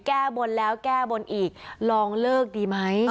แก้บนแล้วแก้บนอีกลองเลิกดีไหม